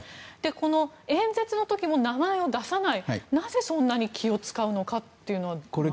この演説の時も名前を出さないなぜ、そんなに気を使うのかというのはなんでなんでしょう。